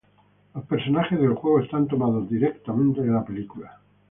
Los personajes del juego están tomados directamente de la película.